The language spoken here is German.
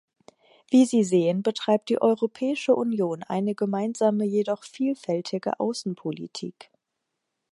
Wie Sie sehen, betreibt die Europäische Union eine gemeinsame, jedoch vielfältige Außenpolitik.